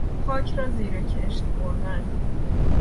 خاک را زیر کشت بردن